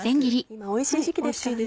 今おいしい時期ですからね。